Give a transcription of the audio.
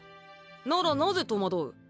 ならなぜ戸惑う？